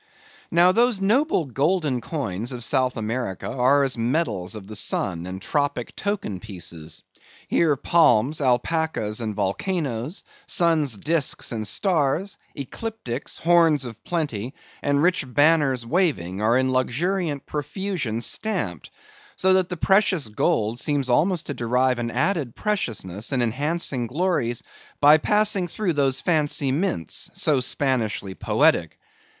Now those noble golden coins of South America are as medals of the sun and tropic token pieces. Here palms, alpacas, and volcanoes; sun's disks and stars; ecliptics, horns of plenty, and rich banners waving, are in luxuriant profusion stamped; so that the precious gold seems almost to derive an added preciousness and enhancing glories, by passing through those fancy mints, so Spanishly poetic.